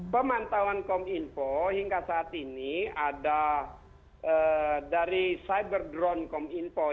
pemantauan kominfo hingga saat ini ada dari cyberdrone kominfo